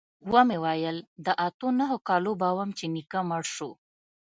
ومې ويل د اتو نهو کالو به وم چې نيکه مړ سو.